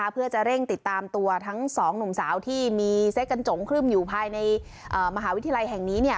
เพื่อจะเร่งติดตามตัวทั้งสองหนุ่มสาวที่มีเซ็กกันจงครึ่มอยู่ภายในมหาวิทยาลัยแห่งนี้